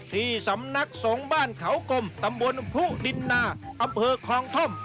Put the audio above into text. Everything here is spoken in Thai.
ที่สำนักสงฆ์บ้านเขากลมตำบลพรุดินนาอำเภอคลองท่อม